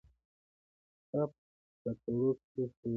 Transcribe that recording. ستا په تړو کښې خېبره